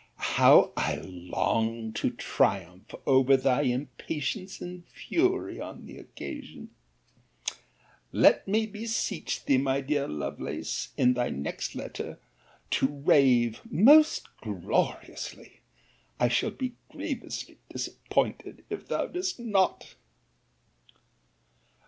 —How I long to triumph over thy impatience and fury on the occasion! Let me beseech thee, my dear Lovelace, in thy next letter, to rave most gloriously!—I shall be grievously disappointed if thou dost not.